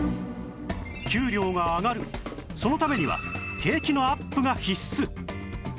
給料が上がるそのためには景気のアップが必須！